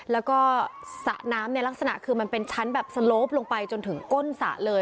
แล้วก็สระน้ำเนี่ยลักษณะคือมันเป็นชั้นแบบสโลปลงไปจนถึงก้นสระเลย